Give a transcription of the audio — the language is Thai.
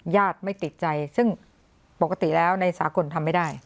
ญาติไม่ติดใจซึ่งปกติแล้วในสากลทำไม่ได้